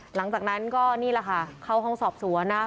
หลังจากนั้นก็นี่แหละค่ะเข้าห้องสอบสวนนะ